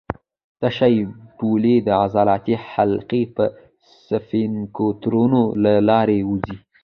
تشې بولې د عضلاتي حلقې یا سفینکترونو له لارې ووځي.